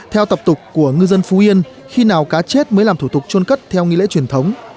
theo tập tục của ngư dân phú yên khi nào cá chết mới làm thủ tục trôn cất theo nghi lễ truyền thống